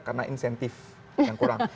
karena insentif yang kurang